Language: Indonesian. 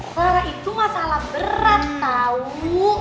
clara itu masalah berat tau